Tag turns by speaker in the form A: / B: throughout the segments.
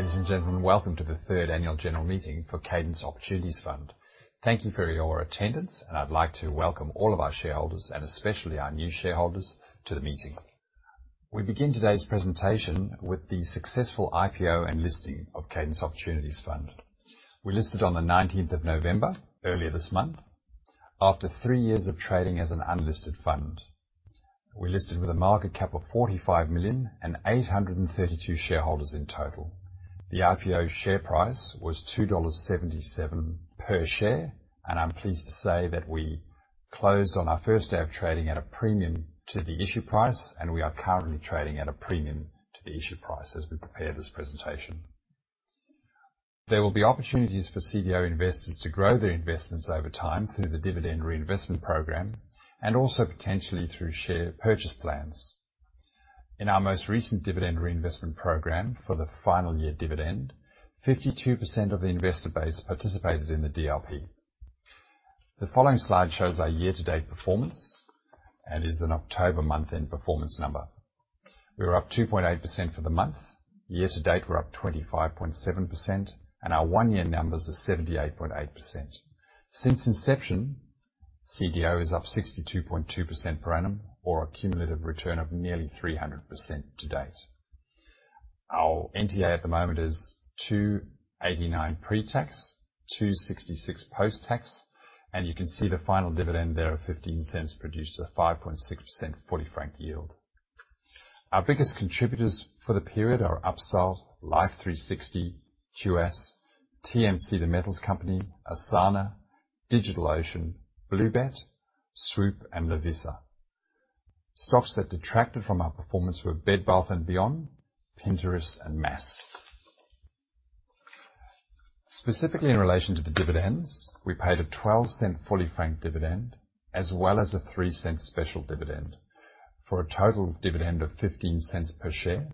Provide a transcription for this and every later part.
A: Ladies and gentlemen, welcome to the third annual general meeting for Cadence Opportunities Fund. Thank you for your attendance, and I'd like to welcome all of our shareholders, and especially our new shareholders, to the meeting. We begin today's presentation with the successful IPO and listing of Cadence Opportunities Fund. We listed on the November 19th, earlier this month, after three years of trading as an unlisted fund. We listed with a market cap of 45 million and 832 shareholders in total. The IPO share price was 2.77 dollars per share, and I'm pleased to say that we closed on our first day of trading at a premium to the issue price, and we are currently trading at a premium to the issue price as we prepare this presentation. There will be opportunities for CDO investors to grow their investments over time through the dividend reinvestment program and also potentially through share purchase plans. In our most recent dividend reinvestment program for the final year dividend, 52% of the investor base participated in the DRP. The following slide shows our year-to-date performance and is an October month-end performance number. We were up 2.8% for the month. Year-to-date, we're up 25.7%, and our one-year numbers are 78.8%. Since inception, CDO is up 62.2% per annum, or a cumulative return of nearly 300% to date. Our NTA at the moment is 2.89 pre-tax, 2.66 post-tax, and you can see the final dividend there of 0.15 produces a 5.6% fully franked yield. Our biggest contributors for the period are Upstart, Life360, Tuas, TMC, The Metals Company, Asana, DigitalOcean, BlueBet, Swoop and Lovisa. Stocks that detracted from our performance were Bed Bath & Beyond, Pinterest, and MAAS. Specifically, in relation to the dividends, we paid a 0.12 fully franked dividend as well as a 0.03 special dividend for a total dividend of 0.15 per share.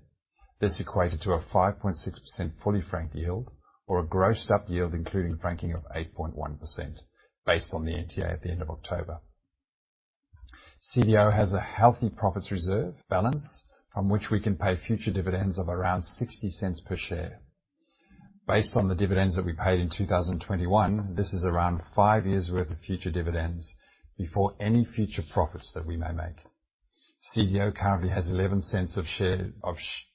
A: This equated to a 5.6% fully franked yield or a grossed-up yield including franking of 8.1% based on the NTA at the end of October. CDO has a healthy profits reserve balance from which we can pay future dividends of around 0.60 per share. Based on the dividends that we paid in 2021, this is around five years worth of future dividends before any future profits that we may make. CDO currently has 0.11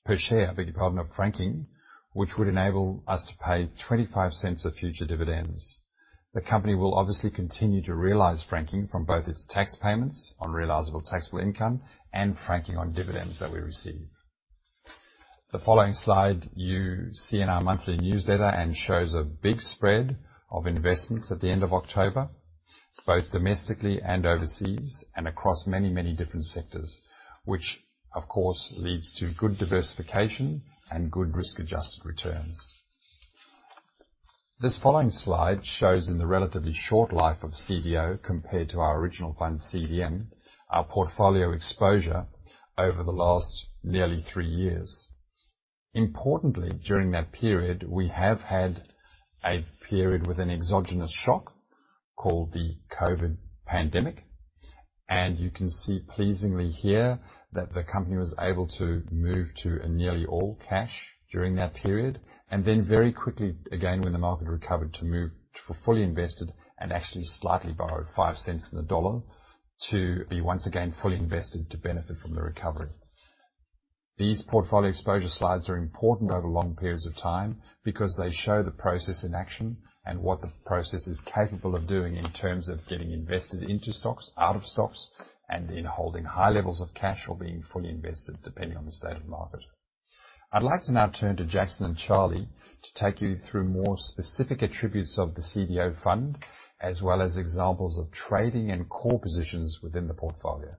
A: per share of franking, which would enable us to pay 0.25 of future dividends. The company will obviously continue to realize franking from both its tax payments on realizable taxable income and franking on dividends that we receive. The following slide you see in our monthly newsletter and shows a big spread of investments at the end of October, both domestically and overseas, and across many, many different sectors, which of course leads to good diversification and good risk-adjusted returns. This following slide shows in the relatively short life of CDO compared to our original fund, CDM, our portfolio exposure over the last nearly three years. Importantly, during that period, we have had a period with an exogenous shock called the COVID pandemic, and you can see pleasingly here that the company was able to move to a nearly all cash during that period, and then very quickly again, when the market recovered, to move to fully invested and actually slightly borrowed five cents on the dollar to be once again fully invested to benefit from the recovery. These portfolio exposure slides are important over long periods of time because they show the process in action and what the process is capable of doing in terms of getting invested into stocks, out of stocks, and in holding high levels of cash or being fully invested, depending on the state of market. I'd like to now turn to Jackson and Charlie to take you through more specific attributes of the CDO fund, as well as examples of trading and core positions within the portfolio.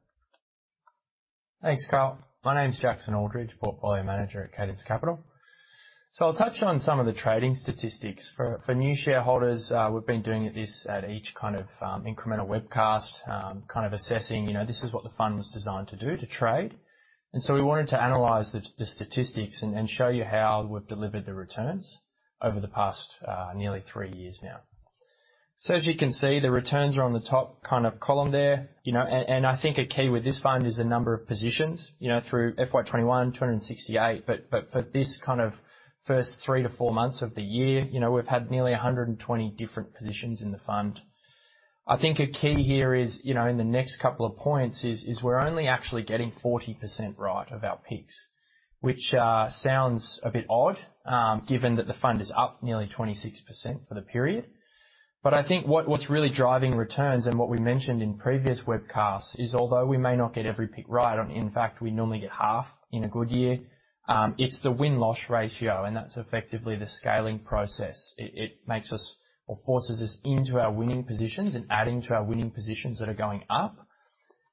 B: Thanks, Karl. My name is Jackson Aldridge, Portfolio Manager at Cadence Capital. I'll touch on some of the trading statistics. For new shareholders, we've been doing this at each kind of incremental webcast, kind of assessing, you know, this is what the fund was designed to do, to trade. We wanted to analyze the statistics and show you how we've delivered the returns over the past nearly three years now. As you can see, the returns are on the top kind of column there. You know, I think a key with this fund is the number of positions, you know, through FY 2021, 268. For this kind of first three-four months of the year, you know, we've had nearly 120 different positions in the fund. I think a key here is, you know, in the next couple of points is we're only actually getting 40% right of our picks, which sounds a bit odd, given that the fund is up nearly 26% for the period. I think what's really driving returns and what we mentioned in previous webcasts is, although we may not get every pick right, in fact, we normally get half in a good year, it's the win-loss ratio, and that's effectively the scaling process. It makes us or forces us into our winning positions and adding to our winning positions that are going up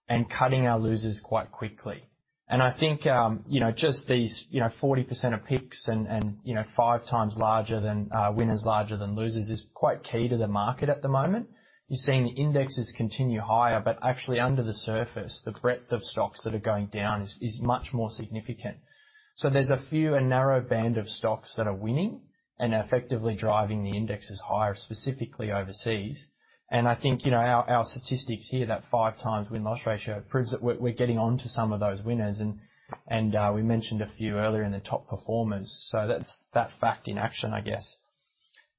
B: and cutting our losers quite quickly. I think, you know, just these, you know, 40% of picks and, you know, 5x larger than winners larger than losers is quite key to the market at the moment. You're seeing the indexes continue higher, but actually under the surface, the breadth of stocks that are going down is much more significant. There's a narrow band of stocks that are winning and effectively driving the indexes higher, specifically overseas. I think, you know, our statistics here, that 5x win-loss ratio proves that we're getting on to some of those winners, and we mentioned a few earlier in the top performers. That's that fact in action, I guess.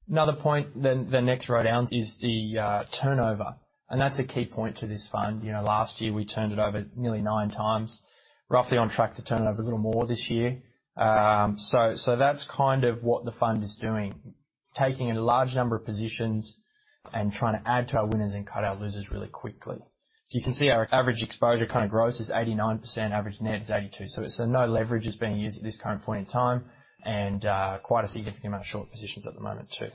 B: Another point, the next row down is the turnover, and that's a key point to this fund. You know, last year we turned it over nearly 9x, roughly on track to turn over a little more this year. That's kind of what the fund is doing. Taking a large number of positions and trying to add to our winners and cut our losers really quickly. You can see our average exposure kind of gross is 89%. Average net is 82. No leverage is being used at this current point in time and quite a significant amount of short positions at the moment too.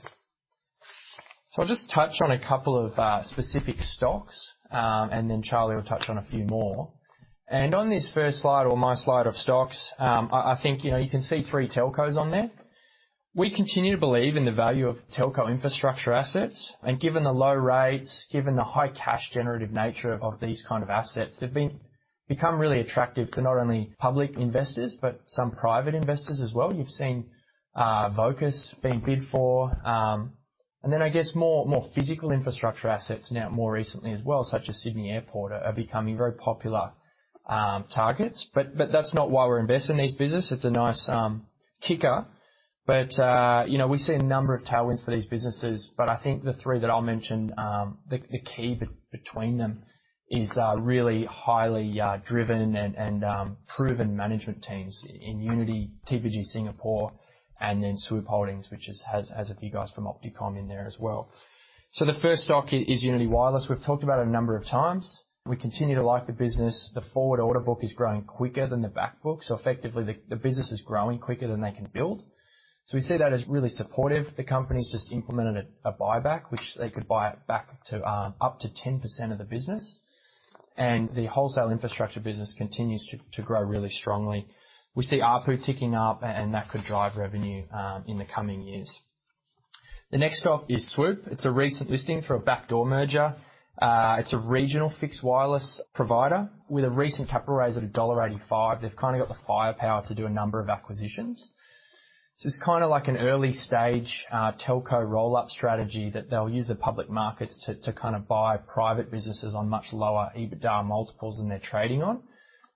B: I'll just touch on a couple of specific stocks, and then Charlie will touch on a few more. On this first slide or my slide of stocks, I think, you know, you can see three telcos on there. We continue to believe in the value of telco infrastructure assets, and given the low rates, given the high cash generative nature of these kinds of assets, they've become really attractive to not only public investors but some private investors as well. You've seen Vocus being bid for, and then I guess more physical infrastructure assets now more recently as well, such as Sydney Airport are becoming very popular targets. But that's not why we're investing in these businesses. It's a nice kicker. But you know, we see a number of tailwinds for these businesses. I think the three that I'll mention, the key between them is really highly driven and proven management teams in Uniti, TPG Singapore and then Swoop Holdings, which has a few guys from Opticomm in there as well. The first stock is Uniti Wireless. We've talked about a number of times. We continue to like the business. The forward order book is growing quicker than the back book, so effectively the business is growing quicker than they can build. We see that as really supportive. The company's just implemented a buyback, which they could buy it back to up to 10% of the business, and the wholesale infrastructure business continues to grow really strongly. We see ARPU ticking up and that could drive revenue in the coming years. The next stock is Swoop. It's a recent listing through a backdoor merger. It's a regional fixed wireless provider with a recent capital raise at dollar 1.85. They've kind of got the firepower to do a number of acquisitions. It's kind of like an early stage telco roll-up strategy that they'll use the public markets to kind of buy private businesses on much lower EBITDA multiples than they're trading on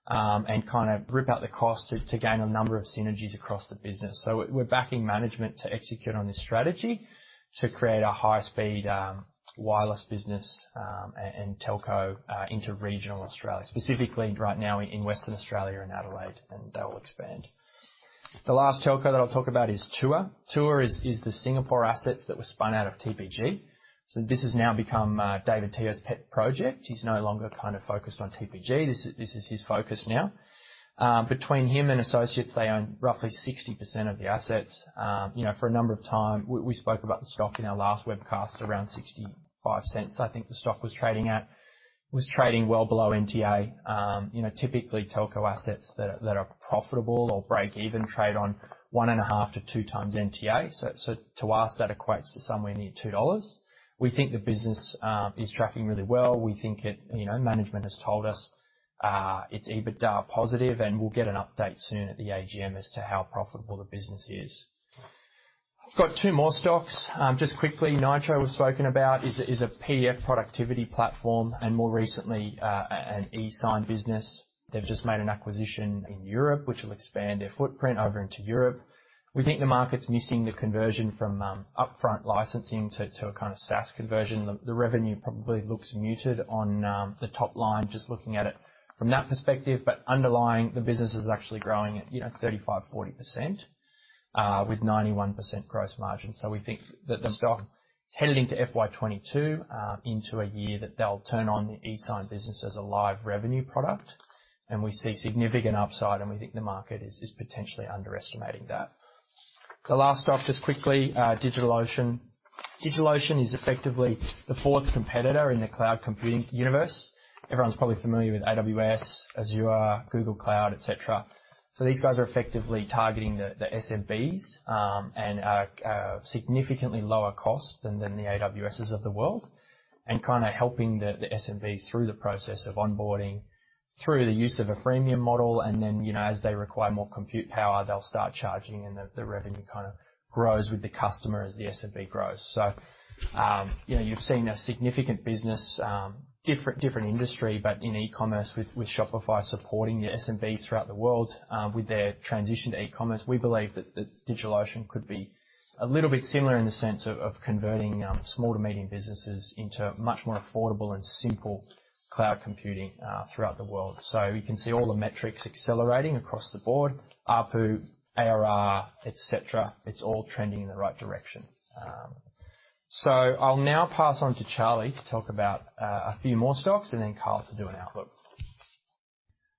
B: and kind of rip out the cost to gain a number of synergies across the business. We're backing management to execute on this strategy to create a high-speed wireless business and telco into regional Australia. Specifically, right now in Western Australia and Adelaide, and they'll expand. The last telco that I'll talk about is Tuas. Tuas is the Singapore assets that were spun out of TPG. This has now become David Teoh's pet project. He's no longer kind of focused on TPG. This is his focus now. Between him and associates, they own roughly 60% of the assets. You know, for a number of times, we spoke about the stock in our last webcast, around 0.65 I think the stock was trading at. It was trading well below NTA. You know, typically, telco assets that are profitable or break-even trade on 1.5x-2x NTA. To us that equates to somewhere near 2 dollars. We think the business is tracking really well. We think it, you know, management has told us it's EBITDA positive, and we'll get an update soon at the AGM as to how profitable the business is. I've got two more stocks. Just quickly, Nitro we've spoken about is a PDF productivity platform and more recently an eSign business. They've just made an acquisition in Europe, which will expand their footprint over into Europe. We think the market's missing the conversion from upfront licensing to a kind of SaaS conversion. The revenue probably looks muted on the top line just looking at it from that perspective. Underlying the business is actually growing at, you know, 35%-40% with 91% gross margin. We think that the stock headed into FY 2022 into a year that they'll turn on the eSign business as a live revenue product and we see significant upside, and we think the market is potentially underestimating that. The last stock, just quickly, DigitalOcean. DigitalOcean is effectively the fourth competitor in the cloud computing universe. Everyone's probably familiar with AWS, Azure, Google Cloud, et cetera. These guys are effectively targeting the SMBs and are significantly lower cost than the AWSs of the world and kind of helping the SMBs through the process of onboarding through the use of a freemium model. Then, you know, as they require more compute power, they'll start charging and the revenue kind of grows with the customer as the SMB grows. You know, you've seen a significant business, different industry, but in e-commerce with Shopify supporting the SMBs throughout the world with their transition to e-commerce. We believe that DigitalOcean could be a little bit similar in the sense of converting small to medium businesses into much more affordable and simple cloud computing throughout the world. You can see all the metrics accelerating across the board, ARPU, ARR, et cetera. It's all trending in the right direction. I'll now pass on to Charlie to talk about a few more stocks and then Karl to do an outlook.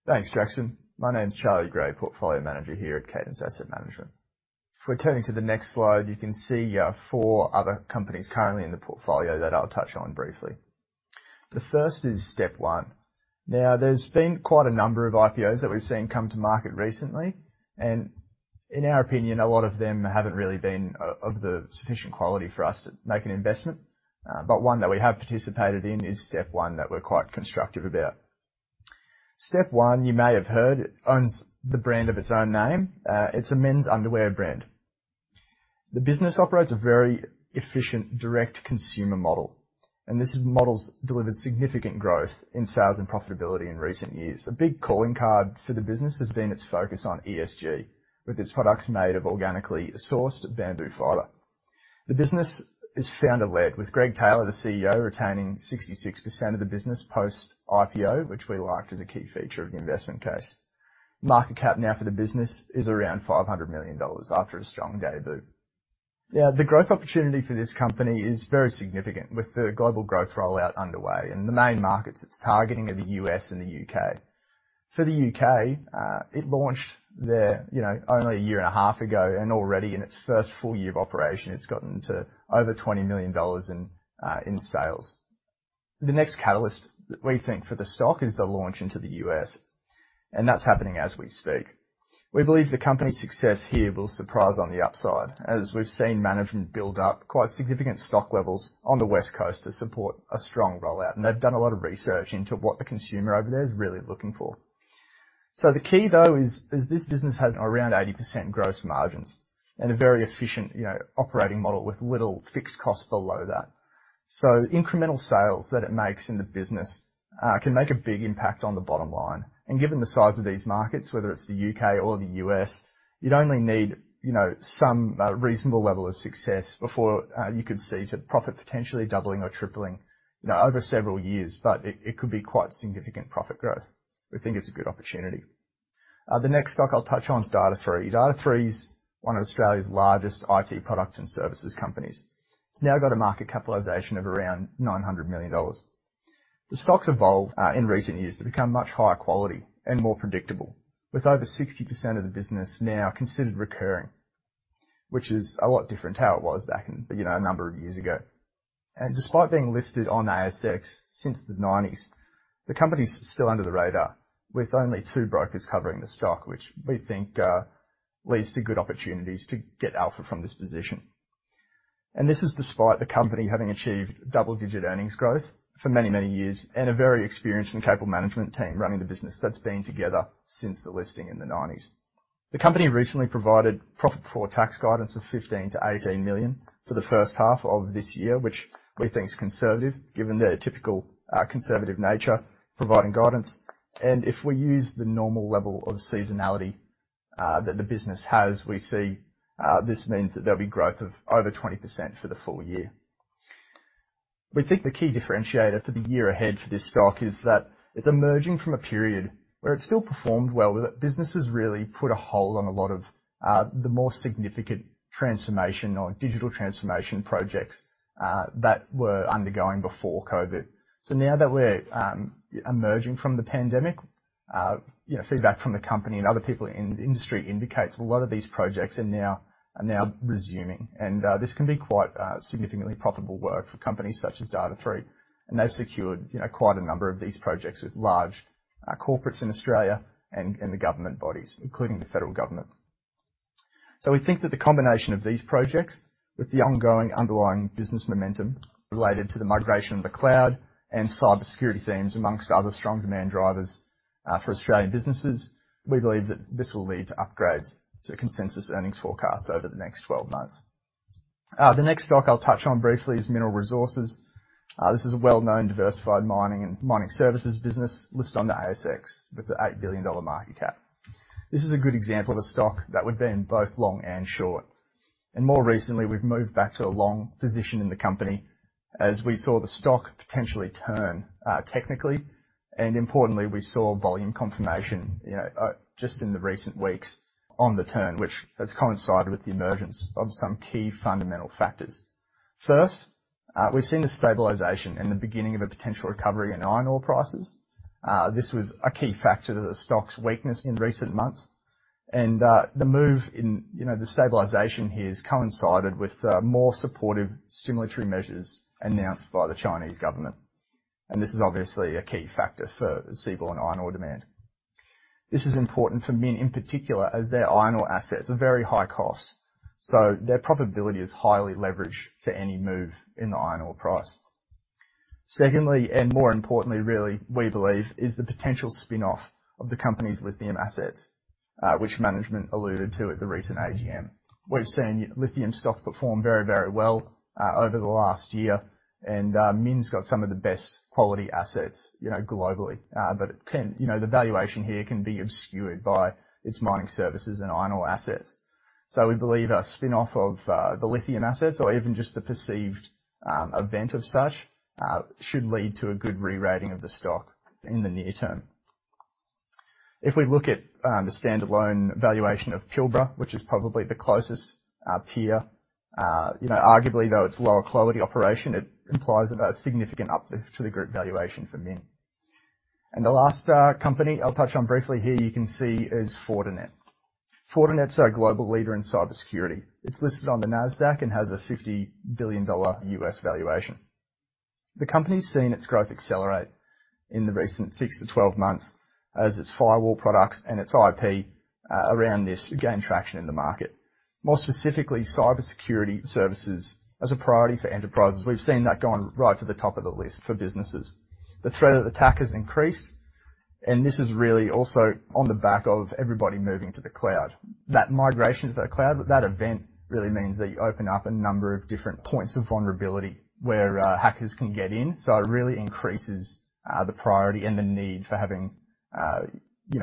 C: Thanks, Jackson. My name's Charlie Gray, Portfolio Manager here at Cadence Asset Management. If we're turning to the next slide, you can see four other companies currently in the portfolio that I'll touch on briefly. The first is Step One. Now, there's been quite a number of IPOs that we've seen come to market recently, and in our opinion, a lot of them haven't really been of the sufficient quality for us to make an investment. But one that we have participated in is Step One that we're quite constructive about. Step One, you may have heard, it owns the brand of its own name. It's a men's underwear brand. The business operates a very efficient direct consumer model, and this model's delivered significant growth in sales and profitability in recent years. A big calling card for the business has been its focus on ESG with its products made of organically sourced bamboo fiber. The business is founder-led with Greg Taylor, the CEO, retaining 66% of the business post-IPO, which we liked as a key feature of the investment case. Market cap now for the business is around 500 million dollars after a strong debut. The growth opportunity for this company is very significant with the global growth rollout underway and the main markets it's targeting are the U.S. and the U.K. For the U.K., it launched there, you know, only a year and a half ago, and already in its first full year of operation, it's gotten to over $20 million in sales. The next catalyst we think for the stock is the launch into the U.S., and that's happening as we speak. We believe the company's success here will surprise on the upside as we've seen management build up quite significant stock levels on the West Coast to support a strong rollout. They've done a lot of research into what the consumer over there is really looking for. The key though is this business has around 80% gross margins and a very efficient, you know, operating model with little fixed costs below that. Incremental sales that it makes in the business can make a big impact on the bottom line. Given the size of these markets, whether it's the U.K. or the U.S., you'd only need, you know, some reasonable level of success before you could see the profit potentially doubling or tripling, you know, over several years. It could be quite significant profit growth. We think it's a good opportunity. The next stock I'll touch on is Data#3. Data#3 is one of Australia's largest IT product and services companies. It's now got a market capitalization of around 900 million dollars. The stock's evolved in recent years to become much higher quality and more predictable, with over 60% of the business now considered recurring, which is a lot different to how it was back in, you know, a number of years ago. Despite being listed on ASX since the 1990s, the company's still under the radar, with only two brokers covering the stock, which we think leads to good opportunities to get alpha from this position. This is despite the company having achieved double-digit earnings growth for many, many years and a very experienced and capable management team running the business that's been together since the listing in the 1990s. The company recently provided profit before tax guidance of 15 million-18 million for the first half of this year, which we think is conservative given their typical conservative nature providing guidance. If we use the normal level of seasonality that the business has, we see this means that there'll be growth of over 20% for the full year. We think the key differentiator for the year ahead for this stock is that it's emerging from a period where it still performed well. Businesses really put a hold on a lot of the more significant transformation or digital transformation projects that were undergoing before COVID. Now that we're emerging from the pandemic, you know, feedback from the company and other people in the industry indicates a lot of these projects are now resuming. This can be quite significantly profitable work for companies such as Data#3. They've secured, you know, quite a number of these projects with large corporates in Australia and the government bodies, including the federal government. We think that the combination of these projects with the ongoing underlying business momentum related to the migration of the cloud and cybersecurity themes, among other strong demand drivers, for Australian businesses, we believe that this will lead to upgrades to consensus earnings forecast over the next 12 months. The next stock I'll touch on briefly is Mineral Resources. This is a well-known diversified mining and mining services business listed on the ASX with an 8 billion dollar market cap. This is a good example of a stock that we've been both long and short. More recently, we've moved back to a long position in the company as we saw the stock potentially turn, technically, and importantly, we saw volume confirmation, you know, just in the recent weeks on the turn, which has coincided with the emergence of some key fundamental factors. First, we've seen a stabilization in the beginning of a potential recovery in iron ore prices. This was a key factor to the stock's weakness in recent months. The move in, you know, the stabilization here has coincided with more supportive stimulatory measures announced by the Chinese government. This is obviously a key factor for seaborne iron ore demand. This is important for MIN in particular as their iron ore assets are very high cost, so their profitability is highly leveraged to any move in the iron ore price. Secondly, and more importantly really, we believe, is the potential spin-off of the company's lithium assets, which management alluded to at the recent AGM. We've seen lithium stocks perform very, very well over the last year, and MIN's got some of the best quality assets, you know, globally. You know, the valuation here can be obscured by its mining services and iron ore assets. We believe a spin-off of the lithium assets or even just the perceived event of such should lead to a good re-rating of the stock in the near term. If we look at the standalone valuation of Pilbara, which is probably the closest peer, you know, arguably, though it's lower quality operation, it implies a significant uplift to the group valuation for MIN. The last company I'll touch on briefly here you can see is Fortinet. Fortinet's a global leader in cybersecurity. It's listed on the NASDAQ and has a $50 billion U.S. valuation. The company's seen its growth accelerate in the recent six to 12 months as its firewall products and its IP around this gain traction in the market. More specifically, cybersecurity services as a priority for enterprises. We've seen that gone right to the top of the list for businesses. The threat of attack has increased, and this is really also on the back of everybody moving to the cloud. That migration to the cloud, that event really means that you open up a number of different points of vulnerability where hackers can get in. So it really increases the priority and the need for having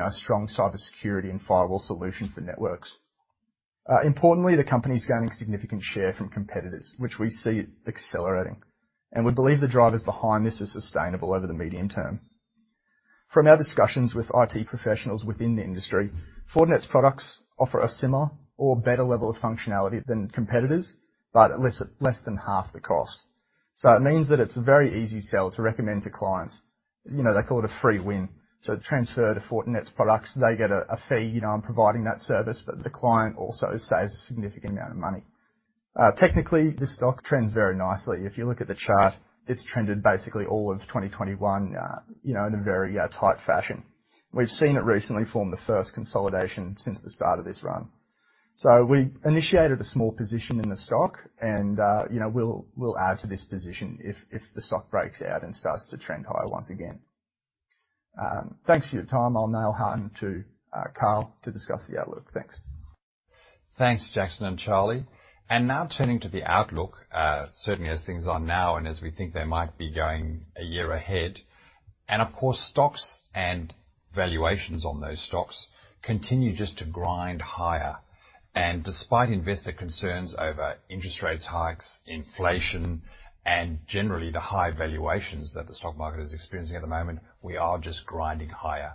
C: strong cybersecurity and firewall solution for networks. Importantly, the company's gaining significant share from competitors, which we see it accelerating. We believe the drivers behind this are sustainable over the medium term. From our discussions with IT professionals within the industry, Fortinet's products offer a similar or better level of functionality than competitors, but at less than half the cost. It means that it's a very easy sell to recommend to clients. You know, they call it a free win. Transfer to Fortinet's products, they get a fee, you know, on providing that service, but the client also saves a significant amount of money. Technically, this stock trends very nicely. If you look at the chart, it's trended basically all of 2021, you know, in a very tight fashion. We've seen it recently form the first consolidation since the start of this run. We initiated a small position in the stock and, you know, we'll add to this position if the stock breaks out and starts to trend higher once again. Thanks for your time. I'll now hand to Karl to discuss the outlook. Thanks.
A: Thanks, Jackson and Charlie. Now turning to the outlook, certainly as things are now and as we think they might be going a year ahead. Of course, stocks and valuations on those stocks continue just to grind higher. Despite investor concerns over interest rates hikes, inflation, and generally the high valuations that the stock market is experiencing at the moment, we are just grinding higher.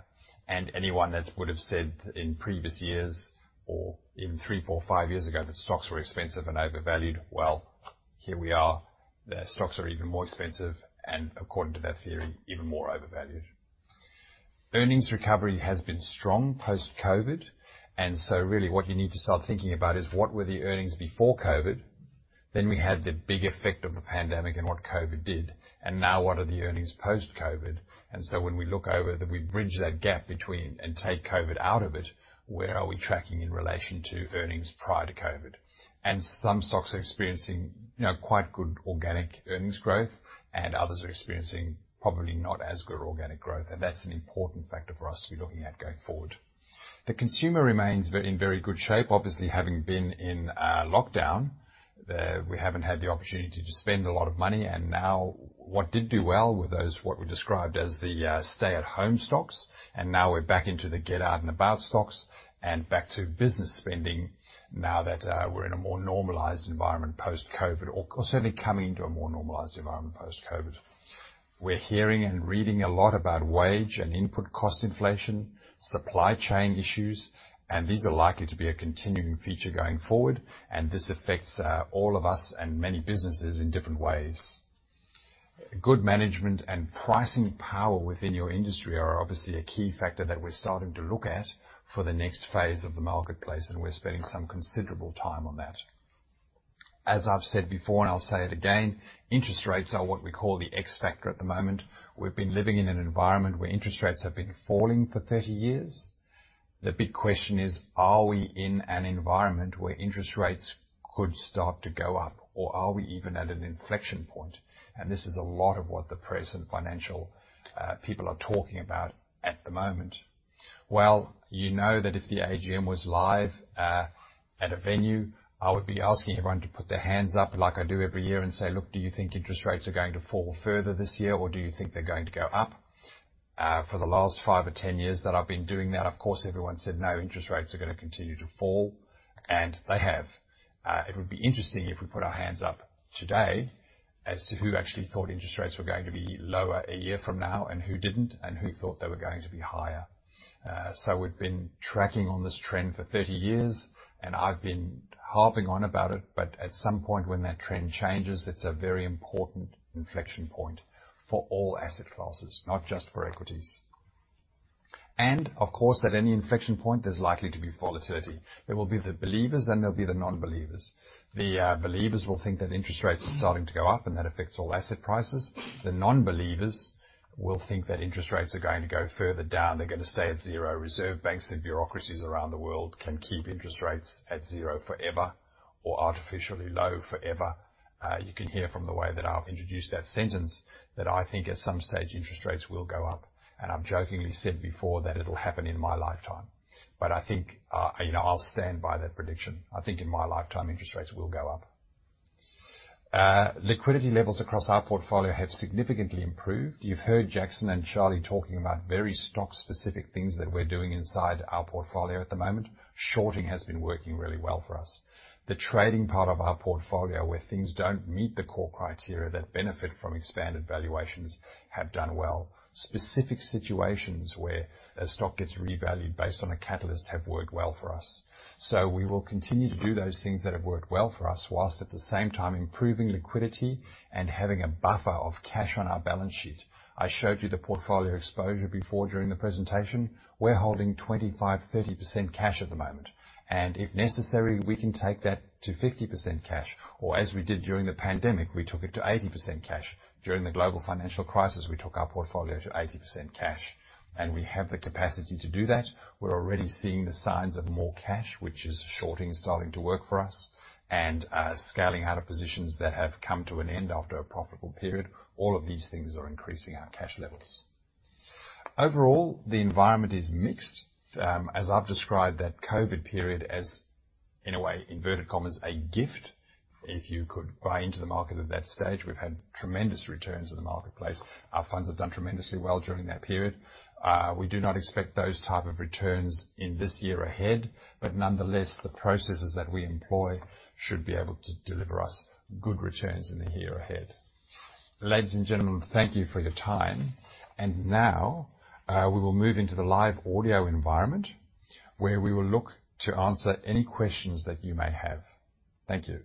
A: Anyone that would've said in previous years or even three, four, five years ago that stocks were expensive and overvalued, well, here we are. The stocks are even more expensive and according to that theory, even more overvalued. Earnings recovery has been strong post-COVID. Really what you need to start thinking about is what were the earnings before COVID, then we had the big effect of the pandemic and what COVID did, and now what are the earnings post-COVID. When we look over that we bridge that gap between and take COVID out of it, where are we tracking in relation to earnings prior to COVID? Some stocks are experiencing, you know, quite good organic earnings growth, and others are experiencing probably not as good organic growth, and that's an important factor for us to be looking at going forward. The consumer remains in very good shape. Obviously, having been in lockdown, we haven't had the opportunity to spend a lot of money. Now what did well were those that were described as the stay-at-home stocks. Now we're back into the get out and about stocks and back to business spending now that we're in a more normalized environment post-COVID or certainly coming into a more normalized environment post-COVID. We're hearing and reading a lot about wage and input cost inflation, supply chain issues, and these are likely to be a continuing feature going forward, and this affects all of us and many businesses in different ways. Good management and pricing power within your industry are obviously a key factor that we're starting to look at for the next phase of the marketplace, and we're spending some considerable time on that. As I've said before, and I'll say it again, interest rates are what we call the X factor at the moment. We've been living in an environment where interest rates have been falling for 30 years. The big question is: Are we in an environment where interest rates could start to go up, or are we even at an inflection point? This is a lot of what the press and financial people are talking about at the moment. Well, you know that if the AGM was live at a venue, I would be asking everyone to put their hands up like I do every year and say, "Look, do you think interest rates are going to fall further this year, or do you think they're going to go up?" For the last five or 10 years that I've been doing that, of course, everyone said, no, interest rates are gonna continue to fall, and they have. It would be interesting if we put our hands up today as to who actually thought interest rates were going to be lower a year from now and who didn't and who thought they were going to be higher. We've been tracking on this trend for 30 years, and I've been harping on about it. At some point, when that trend changes, it's a very important inflection point for all asset classes, not just for equities. Of course, at any inflection point, there's likely to be volatility. There will be the believers, and there'll be the non-believers. The believers will think that interest rates are starting to go up, and that affects all asset prices. The non-believers will think that interest rates are going to go further down. They're gonna stay at zero. Reserve banks and bureaucracies around the world can keep interest rates at zero forever or artificially low forever. You can hear from the way that I've introduced that sentence that I think at some stage interest rates will go up. I've jokingly said before that it'll happen in my lifetime. I think, you know, I'll stand by that prediction. I think in my lifetime, interest rates will go up. Liquidity levels across our portfolio have significantly improved. You've heard Jackson and Charlie talking about very stock-specific things that we're doing inside our portfolio at the moment. Shorting has been working really well for us. The trading part of our portfolio where things don't meet the core criteria that benefit from expanded valuations have done well. Specific situations where a stock gets revalued based on a catalyst have worked well for us. We will continue to do those things that have worked well for us, while at the same time improving liquidity and having a buffer of cash on our balance sheet. I showed you the portfolio exposure before during the presentation. We're holding 25%-30% cash at the moment. If necessary, we can take that to 50% cash, or as we did during the pandemic, we took it to 80% cash. During the global financial crisis, we took our portfolio to 80% cash. We have the capacity to do that. We're already seeing the signs of more cash, which is shorting starting to work for us and scaling out of positions that have come to an end after a profitable period. All of these things are increasing our cash levels. Overall, the environment is mixed. As I've described that COVID period as, in a way, inverted commas, a gift, if you could buy into the market at that stage, we've had tremendous returns in the marketplace. Our funds have done tremendously well during that period. We do not expect those type of returns in this year ahead, but nonetheless, the processes that we employ should be able to deliver us good returns in the year ahead. Ladies and gentlemen, thank you for your time. Now, we will move into the live audio environment, where we will look to answer any questions that you may have. Thank you.